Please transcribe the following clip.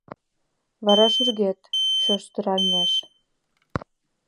Вара шӱргет чоштыраҥеш.